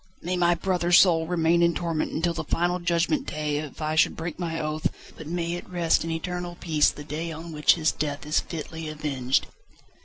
"May my brother's soul remain in torment until the final Judgment Day if I should break my oath, but may it rest in eternal peace the day on which his death is fitly avenged."